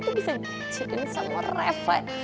itu bisa dikecilin sama reva